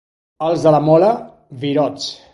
Els de la Mola, virots.